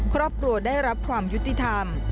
ครอบครัวได้รับความยุติธรรม